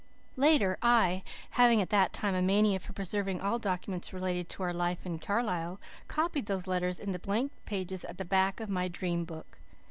Later, I, having at that time a mania for preserving all documents relating to our life in Carlisle, copied those letters in the blank pages at the back of my dream book.